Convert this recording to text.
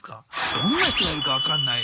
どんな人がいるか分かんない。